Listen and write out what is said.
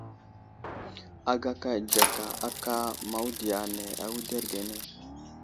Agaka dzəka aka mawudiya ane awuderge ane .